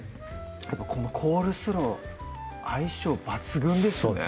このコールスロー相性抜群ですね